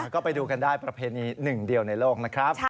ก็ไปดูกันได้ประเพณีหนึ่งเดียวในโลกนะครับ